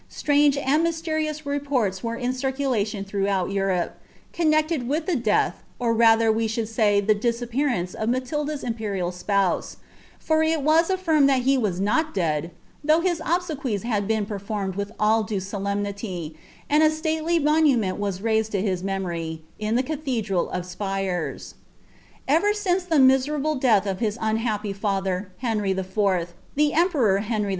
nnge and mysterious reports were in circulation throughout Eur "iinecbed with the death, or rather we should say the diaappearanci ^blildu's imperial spouse; for it was atlirmed that he was not dead, ihoufh bia obsequies had been performed with all due solemnity, and a Unriy monument was raised lo his memory, in the eaihedrel of Spires, EfBi (incc ihc miMrabie death of bis unhappy father, Henry IV., ih« mperor Henry V.